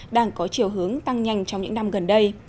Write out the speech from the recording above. đang có chiều hướng tăng nhanh trong những năm gần đây